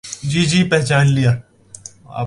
جی جی پہچان لیا۔